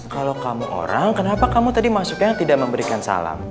kalau kamu orang kenapa kamu tadi masuknya tidak memberikan salam